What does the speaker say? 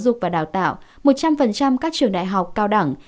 giáo dục và đào tạo một trăm linh các trường đại học cao đẳng